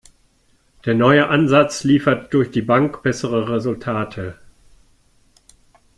Der neue Ansatz liefert durch die Bank bessere Resultate.